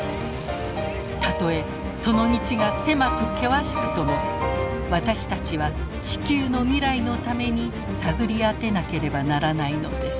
たとえその道が狭く険しくとも私たちは地球の未来のために探り当てなければならないのです。